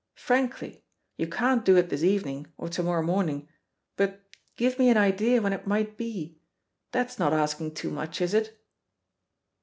Frankly! You can't do it this evening, or to morrow morning, but give me an idea when it might be. That's not asking too much, is it?"